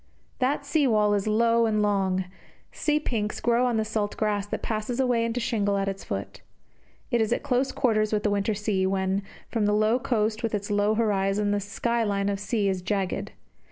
That sea wall is low and long; sea pinks grow on the salt grass that passes away into shingle at its foot. It is at close quarters with the winter sea, when, from the low coast with its low horizon, the sky line of sea is jagged.